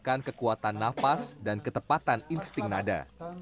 menekan kekuatan nafas dan ketepatan insting nada